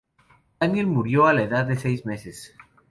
Daniel murió a la edad de siete meses.